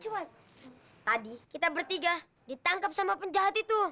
cuma tadi kita bertiga ditangkap sama penjahat itu